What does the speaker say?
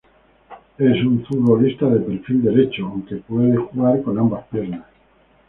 Es un futbolista de perfil derecho, aunque puede jugar con ambas piernas.